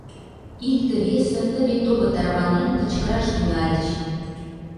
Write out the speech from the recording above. Икте-весе, тыбе-тобо тарванен, кычкыраш тӱҥальыч.